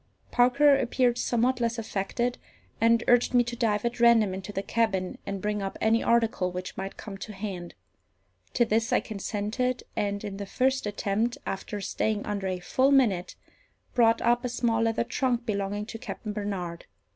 Parker appeared somewhat less affected, and urged me to dive at random into the cabin, and bring up any article which might come to hand. To this I consented, and, in the first attempt, after staying under a full minute, brought up a small leather trunk belonging to Captain Barnard.